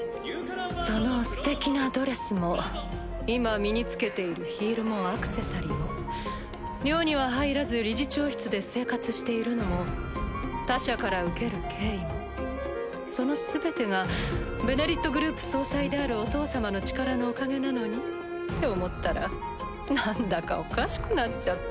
そのすてきなドレスも今身に着けているヒールもアクセサリーも寮には入らず理事長室で生活しているのも他者から受ける敬意もその全てが「ベネリット」グループ総裁であるお父様の力のおかげなのにって思ったらなんだかおかしくなっちゃって。